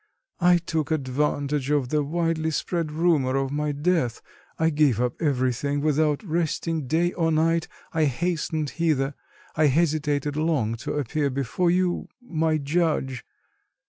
"I took advantage of the widely spread rumour of my death, I gave up everything; without resting day or night I hastened hither; I hesitated long to appear before you, my judge...